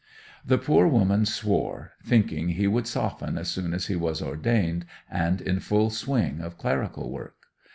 The poor woman swore, thinking he would soften as soon as he was ordained and in full swing of clerical work.